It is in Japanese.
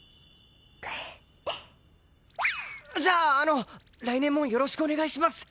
じゃああの来年もよろしくお願いします！